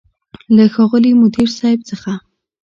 له ښاغلي مدير صيب څخه